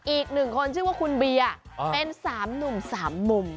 อีกหนึ่งคนชื่อว่าคุณเบียร์เป็น๓หนุ่ม๓มุม